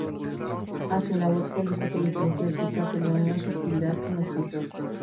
A su labor política y eclesiástica, se le unió su actividad como escritor.